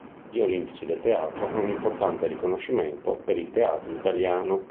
Gli Olimpici del Teatro è un importante riconoscimento per il teatro italiano.